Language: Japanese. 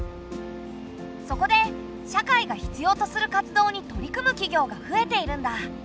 そこで社会が必要とする活動に取り組む企業が増えているんだ。